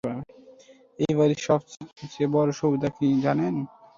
এই বাড়ির সবচেয়ে বড় সুবিধা কী, জানেন?